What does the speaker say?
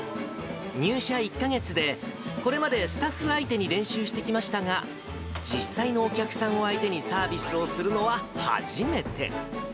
入社１か月でこれまでスタッフ相手に練習してきましたが、実際のお客さん相手にサービスをするのは初めて。